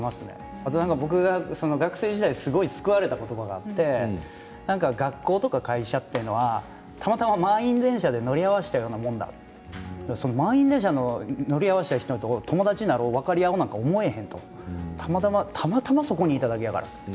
あと僕が学生時代すごく救われた言葉があって学校とか会社というのはたまたま満員電車で乗り合わせたようなものだ、その乗り合わせた人と友達になろう分かり合おうなんて思わんだろう